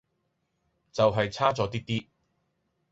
就係差左啲啲